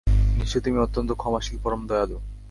নিশ্চয় তুমি অত্যন্ত ক্ষমাশীল, পরম দয়ালু।